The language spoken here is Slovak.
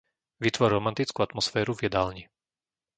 Vytvor romantickú atmosféru v jedálni.